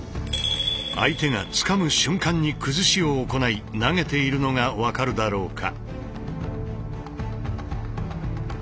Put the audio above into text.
相手がつかむ瞬間に崩しを行い投げているのが分かるだろうか。